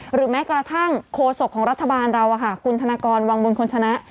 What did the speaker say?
หรือแม้กระทั่งโคศกของรัฐบาลเราคุณธนากรวังบุญคนชนะ